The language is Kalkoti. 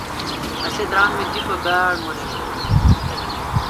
اسی درام می دی پہ باڑ اؘمولانان این۔